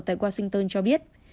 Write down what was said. tại washington cho biết